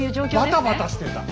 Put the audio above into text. バタバタしてた。